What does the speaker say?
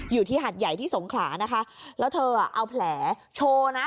อยู่ที่หัดใหญ่ที่สงขลานะคะแล้วเธออ่ะเอาแผลโชว์นะ